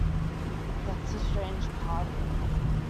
That is the strange part of it.